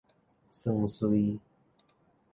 桑穗